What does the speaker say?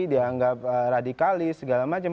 dianggap radikalis segala macam